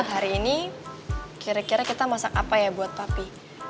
hari ini kira kira kita masak apa ya buat papi